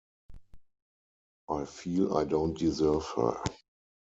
I feel I don’t deserve her.